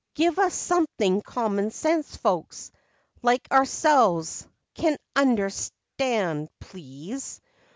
Give us something common sense folks, Like ourselves, can understand, please!